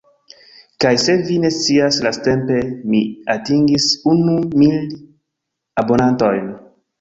Kaj se vi ne scias lastatempe mi atingis unu mil abonantojn.